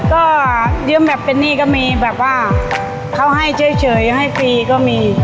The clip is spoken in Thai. ก็ยืมแบบเป็นหนี้ก็มีแบบว่าเขาให้เฉยให้ฟรีก็มี